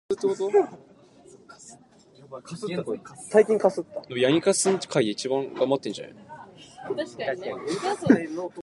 His second cousin is John Calipari.